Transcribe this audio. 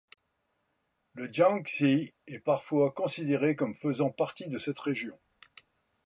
Le Jiangxi est parfois considéré comme faisant partie de cette région.